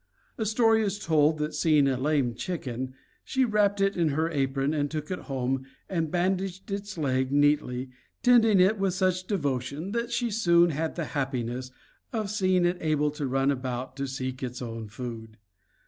A story is told that seeing a lame chicken she wrapped it in her apron and took it home and bandaged its leg neatly, tending it with such devotion that she soon had the happiness of seeing it able to run about to seek its own food.